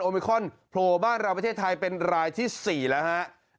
โอมิครอนโพลบ้านราวประเทศไทยเป็นรายที่สี่แล้วฮะ